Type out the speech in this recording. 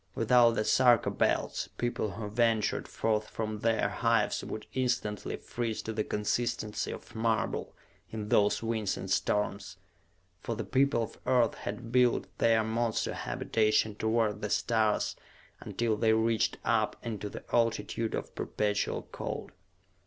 Without the Sarka Belts, people who ventured forth from their hives would instantly freeze to the consistency of marble in those winds and storms. For the people of Earth had built their monster habitation toward the stars until they reached up into the altitude of perpetual cold.